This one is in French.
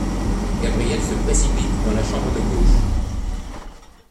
Gabriel se précipite dans la chambre de gauche.